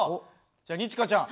じゃ二千翔ちゃん。